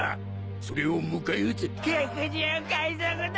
それを迎え撃つ百獣海賊団。